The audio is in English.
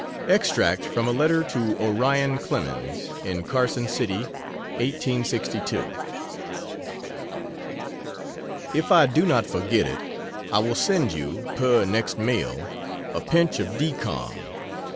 Extract from a letter to Orion Clemens, in Carson City: 1862 If I do not forget it, I will send you, per next mail, a pinch of decom.